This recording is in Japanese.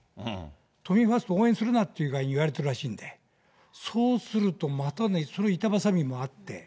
都民ファーストを応援するなと言われてるらしいんで、そうすると、またそれも板挟みもあって。